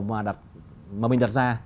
mà mình đặt ra